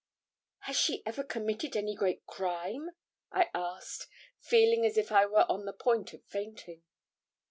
'Has she ever committed any great crime?' I asked, feeling as if I were on the point of fainting.